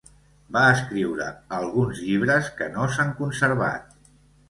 Va escriure alguns llibres que no s'han conservat.